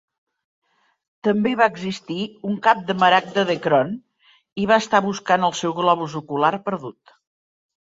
També va existir un "Cap de maragda d'Ekron" i va estar buscant el seu globus ocular perdut.